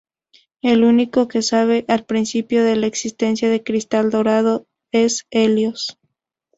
El único que sabe, al principio, de la existencia del Cristal Dorado es Helios.